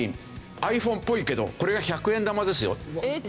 ｉＰｈｏｎｅっぽいけどこれが１００円玉ですよ。